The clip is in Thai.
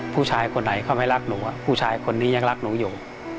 ผู้ชายคนไหนเขาไม่รักหนูผู้ชายคนนี้ยังรักหนูอยู่